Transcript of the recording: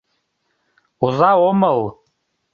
Оза омыл!